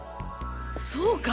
そうか！